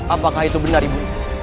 apakah itu benar ibu